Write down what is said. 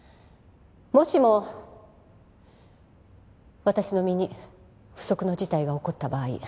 もしも私の身に不測の事態が起こった場合